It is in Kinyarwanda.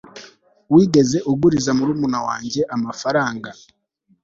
wigeze uguriza murumuna wanjye amafaranga